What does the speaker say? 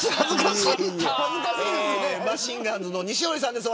マシンガンズの西堀さんです。